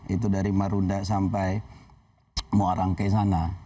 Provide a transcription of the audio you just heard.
itu dari marunda sampai moarangke sana